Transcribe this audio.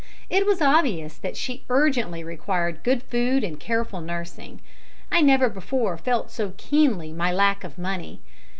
It was obvious that she urgently required good food and careful nursing. I never before felt so keenly my lack of money.